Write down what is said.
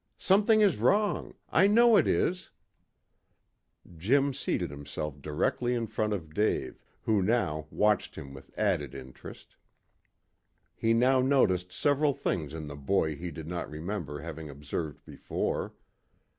"Something is wrong. I know it is." Jim seated himself directly in front of Dave, who now watched him with added interest. He now noticed several things in the boy he did not remember having observed before.